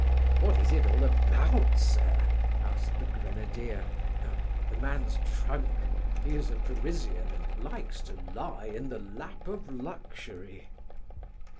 "What is it all about, sir?" asked the grenadier. "The man's drunk. He is a Parisian, and likes to lie in the lap of luxury."